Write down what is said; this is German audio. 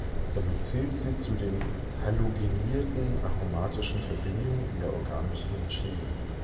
Damit zählt sie zu den halogenierten, aromatischen Verbindungen in der organischen Chemie.